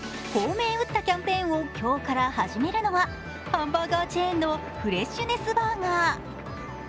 こう銘打ったキャンペーンを今日から始めるのは、ハンバーガーチェーンのフレッシュネスバーガー。